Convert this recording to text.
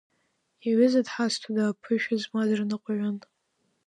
Иҩыза дҳазҭода, аԥышәа змаз рныҟәаҩын.